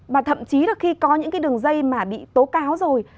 và thậm chí là khi có những cái đường dây mà bị tố cáo rồi